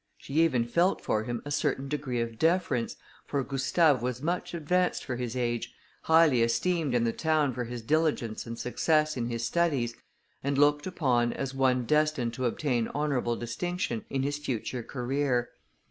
She even felt for him a certain degree of deference, for Gustave was much advanced for his age, highly esteemed in the town for his diligence and success in his studies, and looked upon as one destined to obtain honourable distinction in his future career.